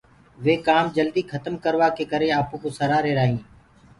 وي ڪآم جلدي کتم ڪروآ ڪي ڪري آپو ڪوُ سرآ رهيرآ هينٚ۔